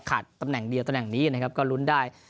ตำแหน่งเดียวตำแหน่งนี้นะครับก็ลุ้นได้